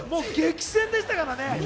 激戦でしたからね。